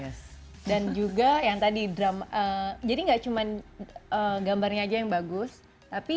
luar biasa cantik ya pueda dan juga yang tadi gram jadi enggak cuma gambarnya aja yang bagus tapi